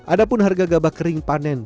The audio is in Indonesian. ada pun harga gabah kering panen